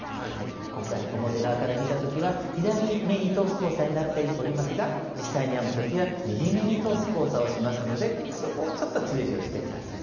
今回表側から見た時は左目に通す交差になっておりますが実際に編む時は右目に通す交差をしますのでそこをちょっと注意をして下さい。